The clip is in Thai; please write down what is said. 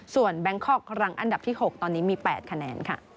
ส่วนแบงคอกหลังอันดับที่๖ตอนนี้มี๘คะแนนค่ะ